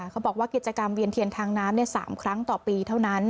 เขาบอกว่ากิจกรรมเวียนเทียนทางน้ำ๓ครั้งต่อปีเท่านั้น